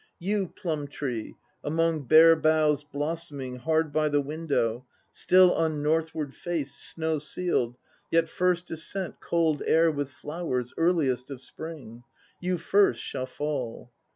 You, plum tree, among bare boughs blossoming Hard by the window, still on northward face Snow sealed, yet first to scent Cold air with flowers, earliest of Spring; 'You first shall fall.'